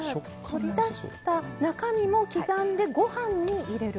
取り出した中身も刻んでご飯に入れる。